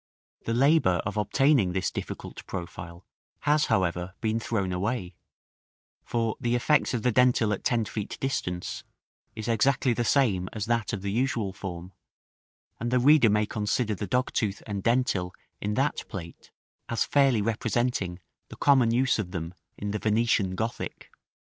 The labor of obtaining this difficult profile has, however, been thrown away; for the effect of the dentil at ten feet distance is exactly the same as that of the usual form: and the reader may consider the dogtooth and dentil in that plate as fairly representing the common use of them in the Venetian Gothic.